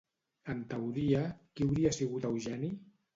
En teoria, qui hauria sigut Eugeni?